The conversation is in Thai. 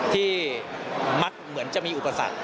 มักเหมือนจะมีอุปสรรค